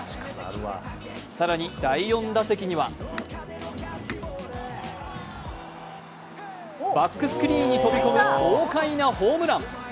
更に第４打席にはバックスクリーンに飛び込む豪快なホームラン。